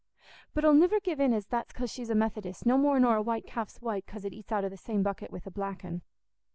But I'll niver give in as that's 'cause she's a Methodist, no more nor a white calf's white 'cause it eats out o' the same bucket wi' a black un."